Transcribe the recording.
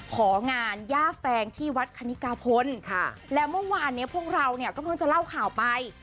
ของานย่าแฟงที่วัดคณิกาพลแล้วเมื่อวานเนี้ยพวกเราเนี่ยก็เพิ่งจะเล่าข่าวไป